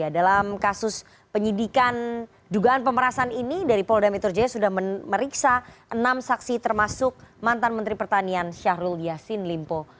dalam kasus penyidikan dugaan pemerasan ini dari polda metro jaya sudah meriksa enam saksi termasuk mantan menteri pertanian syahrul yassin limpo